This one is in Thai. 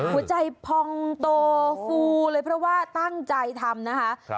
หัวใจพองโตฟูเลยเพราะว่าตั้งใจทำนะคะ